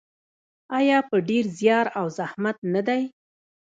آیا په ډیر زیار او زحمت نه دی؟